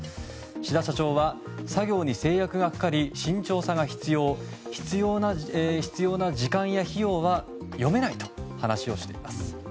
信太社長は作業に制約がかかり慎重さが必要必要な時間や費用は読めないと話をしています。